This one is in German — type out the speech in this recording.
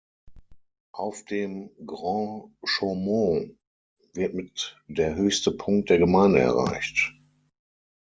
Auf dem "Grand Chaumont" wird mit der höchste Punkt der Gemeinde erreicht.